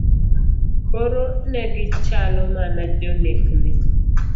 Koro negi chalo mana jonekni.